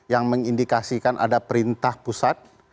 yang mengindikasikan ada perintah pusat